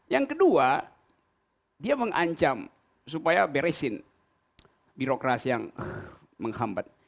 yang kedua dia mengancam supaya beresin birokrasi yang menghambat